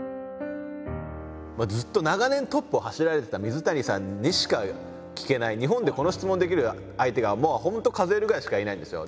ずっと長年トップを走られてた水谷さんにしか聞けない日本でこの質問できる相手が本当数えるぐらいしかいないんですよ。